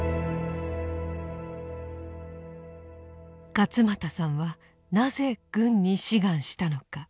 勝又さんはなぜ軍に志願したのか。